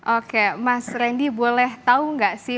oke mas randy boleh tahu nggak sih